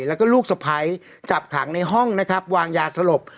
แล้วก็ลูกสะพ้ายจับขังในห้องนะครับวางยาสลบ